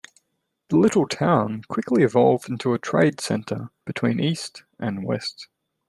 The little town quickly evolved into a trade center between east and west.